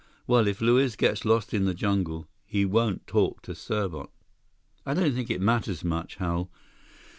Well, if Luiz gets lost in the jungle, he won't talk to Serbot." "I don't think it matters much, Hal.